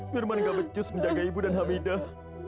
firman gak becus menjaga ibu dan hamidah